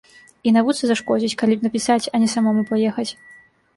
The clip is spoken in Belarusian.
І навуцы зашкодзіць, калі напісаць, а не самому паехаць.